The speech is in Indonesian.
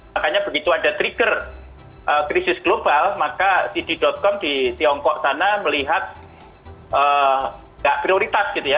makanya begitu ada trigger krisis global maka cd com di tiongkok sana melihat nggak prioritas gitu ya